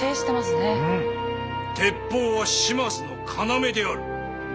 鉄砲は島津の要である。